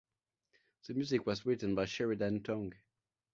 The music was written by Sheridan Tongue.